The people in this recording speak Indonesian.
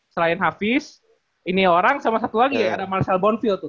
selain hafiz ini orang sama satu lagi ada marcel bondfill tuh